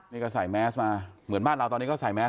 นี่ก็ใส่แมสมาเหมือนบ้านเราตอนนี้ก็ใส่แมส